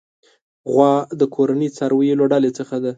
غوا د کورني څارويو له ډلې څخه ده.